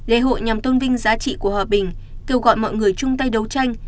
lễ hội nhằm tôn vinh giá trị của hòa bình kêu gọi mọi người chung tay đấu tranh